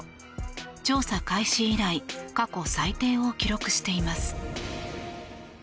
調査開始以来過去最低を記録しています。